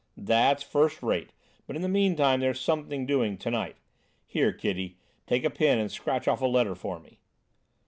"That's first rate, but in the meantime there's something doing to night. Here, kiddy, take a pen and scratch off a letter for me."